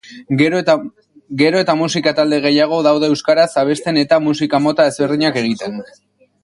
Gero eta musika talde gehiago daude euskaraz abesten eta musika mota ezberdinak egiten.